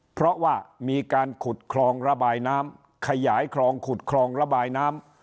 เพราะว่ามีการขุดคลองระบายน้ำขยายคลองขุดคลองระบายน้ำ